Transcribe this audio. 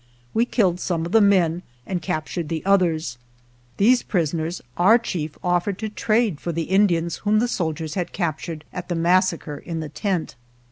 We killed some of the men and cap tured the others. These prisoners our chief offered to trade for the Indians whom the soldiers had captured at the massacre in the tent.